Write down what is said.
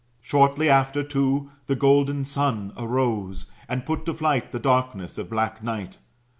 Shortly after, too, the golden Sun arose, and put to flight the darkness of black Night.